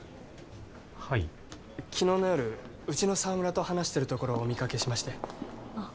はい昨日の夜うちの沢村と話してるところをお見かけしましてあっ